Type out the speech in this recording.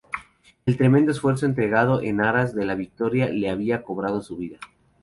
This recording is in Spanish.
El tremendo esfuerzo entregado en aras de la victoria le había cobrado su vida.